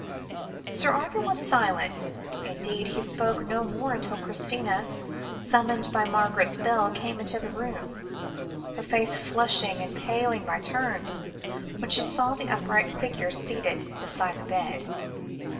Sir Arthur was silent; indeed, he spoke no more until Christina, summoned by Margaret's bell, came into the room, her face flushing and paling by turns, when she saw the upright figure seated beside the bed.